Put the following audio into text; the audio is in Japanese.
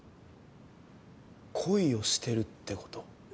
恋をしてるってこと？